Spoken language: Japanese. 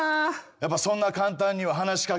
やっぱそんな簡単には話し掛けられない？